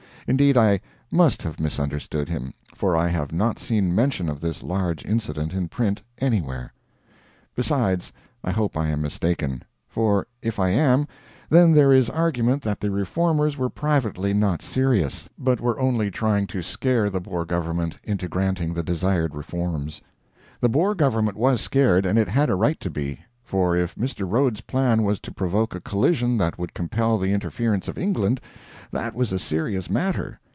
Indeed, I must have misunderstood him, for I have not seen mention of this large incident in print anywhere. Besides, I hope I am mistaken; for, if I am, then there is argument that the Reformers were privately not serious, but were only trying to scare the Boer government into granting the desired reforms. The Boer government was scared, and it had a right to be. For if Mr. Rhodes's plan was to provoke a collision that would compel the interference of England, that was a serious matter.